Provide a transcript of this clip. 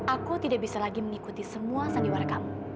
aku tidak bisa lagi mengikuti semua senior kamu